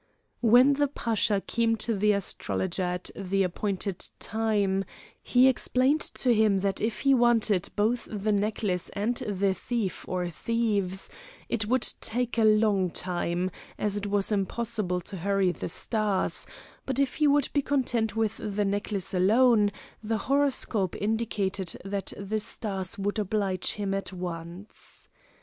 When the Pasha came to the astrologer at the appointed time, he explained to him, that if he wanted both the necklace and the thief or thieves, it would take a long time, as it was impossible to hurry the stars; but if he would be content with the necklace alone, the horoscope indicated that the stars would oblige him at once.